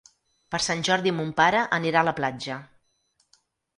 Per Sant Jordi mon pare anirà a la platja.